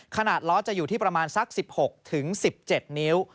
ล้อจะอยู่ที่ประมาณสัก๑๖๑๗นิ้ว